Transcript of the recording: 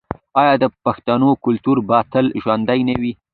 آیا د پښتنو کلتور به تل ژوندی نه وي؟